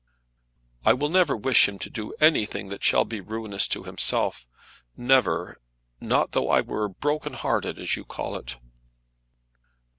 "I will never wish him to do anything that shall be ruinous to himself; never; not though I were broken hearted, as you call it."